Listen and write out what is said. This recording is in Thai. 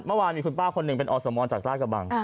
เมื่อวานมีคุณป้าคนหนึ่งเป็นอสมรจากราชกระบัง